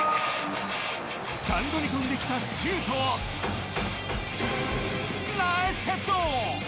スタンドに飛んできたシュートをナイスヘッド！